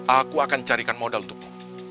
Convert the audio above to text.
aku akan carikan modal untukmu